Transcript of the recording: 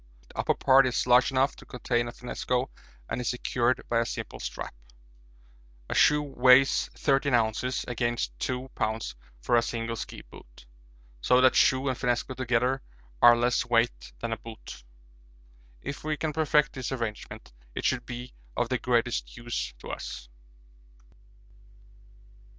The upper part is large enough to contain a finnesko and is secured by a simple strap. A shoe weighs 13 oz. against 2 lbs. for a single ski boot so that shoe and finnesko together are less weight than a boot. If we can perfect this arrangement it should be of the greatest use to us.